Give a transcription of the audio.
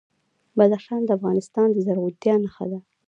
بدخشان د افغانستان د زرغونتیا نښه ده.